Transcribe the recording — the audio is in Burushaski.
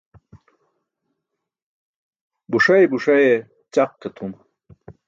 Buṣay buṣaye ćaq ke tʰum.